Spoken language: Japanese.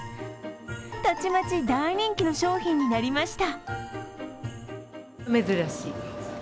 たちまち大人気の商品になりました。